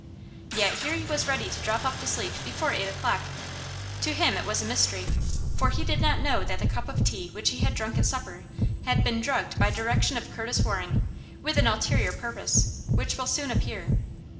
Yet here he was ready to drop off to sleep before eight o'clock. To him it was a mystery, for he did not know that the cup of tea which he had drunk at supper had been drugged by direction of Curtis Waring, with an ulterior purpose, which will soon appear.